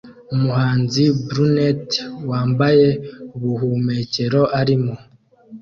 Umuhanzi brunette wambaye ubuhumekero arimo